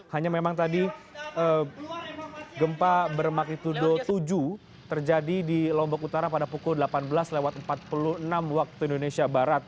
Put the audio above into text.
hanya memang tadi gempa bermagnitudo tujuh terjadi di lombok utara pada pukul delapan belas lewat empat puluh enam waktu indonesia barat